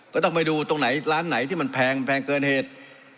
ก็ต้องไปดูตรงไหนร้านไหนที่มันแพงมันแพงเกินเหตุ